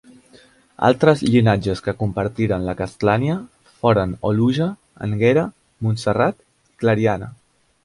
Altres llinatges que compartiren la castlania foren Oluja, Anguera, Montserrat i Clariana.